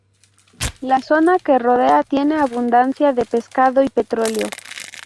La zona que rodea tiene abundancia de pescado y petróleo.